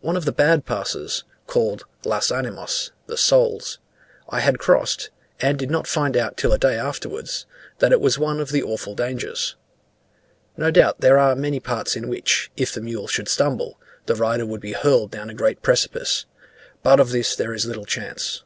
One of the bad passes, called las Animas (the souls), I had crossed, and did not find out till a day afterwards, that it was one of the awful dangers. No doubt there are many parts in which, if the mule should stumble, the rider would be hurled down a great precipice; but of this there is little chance.